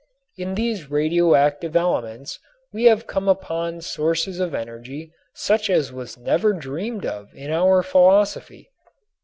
In these radioactive elements we have come upon sources of energy such as was never dreamed of in our philosophy.